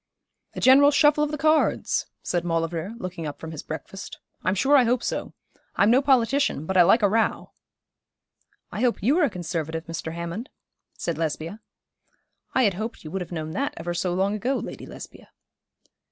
'A general shuffle of the cards,' said Maulevrier, looking up from his breakfast. 'I'm sure I hope so. I'm no politician, but I like a row.' 'I hope you are a Conservative, Mr. Hammond,' said Lesbia. 'I had hoped you would have known that ever so long ago, Lady Lesbia.'